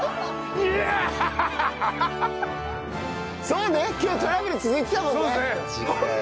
そうね今日トラブル続いてたもんね。